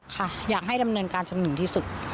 ค่ะอยากให้ดำเนินการจนถึงที่สุด